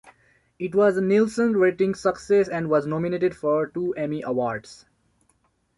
It was a Nielsen ratings success and was nominated for two Emmy Awards.